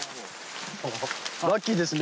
ラッキーですね。